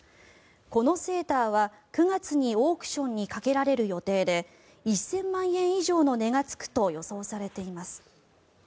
このセーターは９月にオークションにかけられる予定で１０００万円以上の値がつくと予想されています。